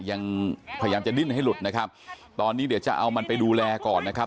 ยังพยายามจะดิ้นให้หลุดนะครับตอนนี้เดี๋ยวจะเอามันไปดูแลก่อนนะครับ